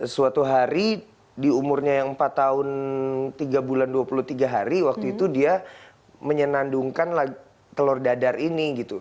suatu hari di umurnya yang empat tahun tiga bulan dua puluh tiga hari waktu itu dia menyenandungkan telur dadar ini gitu